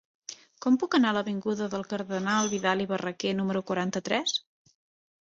Com puc anar a l'avinguda del Cardenal Vidal i Barraquer número quaranta-tres?